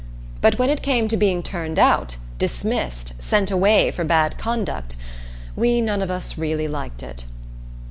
But when it came to being turned out, dismissed, sent away for bad conduct, we none of us really liked it.